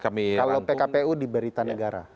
kalau pkpu diberita negara